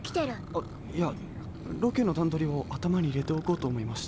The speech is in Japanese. あっいやロケのだんどりをあたまにいれておこうとおもいまして。